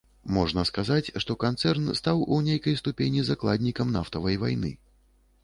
Можна сказаць, што канцэрн стаў у нейкай ступені закладнікам нафтавай вайны.